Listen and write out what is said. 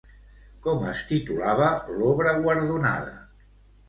Com es titulava l'obra guardonada?